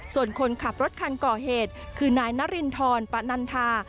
ส่วนคนขับรถคันก่อเหตุคือนายนารินทรปะนันทา